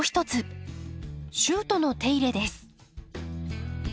シュートの手入れです。